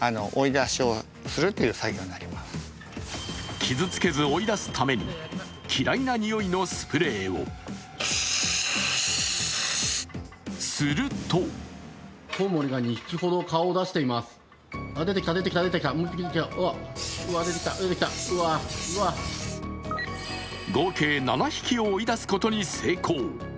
傷つけず追い出すために、嫌いな匂いのスプレーをすると合計７匹を追い出すことに成功。